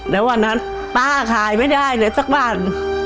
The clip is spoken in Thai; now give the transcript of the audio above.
แล้ววันนั้นป้าขายไม่ได้เลยสักบาท